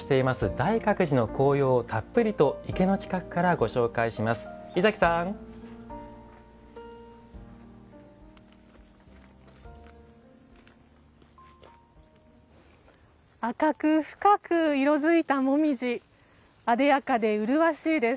大覚寺の紅葉をたっぷりと池の近くから、ご紹介します。